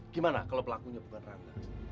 gimana kalau pelakunya bukan rana